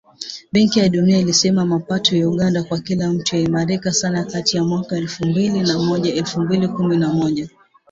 Benki ya Dunia ilisema mapato ya Uganda kwa kila mtu yaliimarika sana kati ya mwaka wa elfu mbili na moja na elfu mbili kumi na moja